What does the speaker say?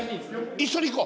一緒にいこう。